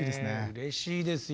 うれしいですよ。